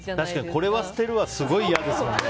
これは捨てるはすごい嫌ですね。